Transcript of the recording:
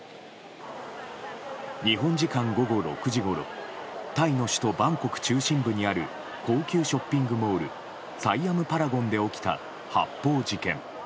日本時間午後６時ごろタイの首都バンコク中心部にある高級ショッピングモールサイアムパラゴンで起きた発砲事件。